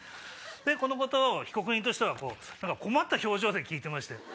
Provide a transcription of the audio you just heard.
でこのことを被告人としては困った表情で聞いてましたよ。